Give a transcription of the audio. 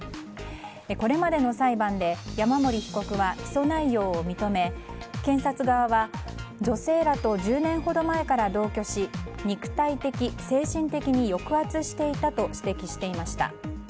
これまでの裁判で山森被告は起訴内容を認め検察側は、女性らと１０年ほど前から同居し肉体的、精神的に抑圧していたと指摘していました。